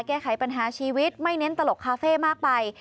แก้ไขปัญหาชีวิตไม่เน้นตลกคาเฟ่มากไป